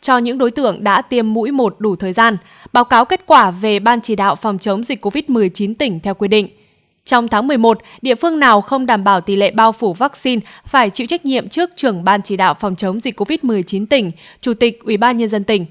trong tháng một mươi một địa phương nào không đảm bảo tỷ lệ bao phủ vaccine phải chịu trách nhiệm trước trưởng ban chỉ đạo phòng chống dịch covid một mươi chín tỉnh chủ tịch ủy ban nhân dân tỉnh